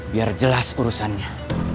biar jelas urusannya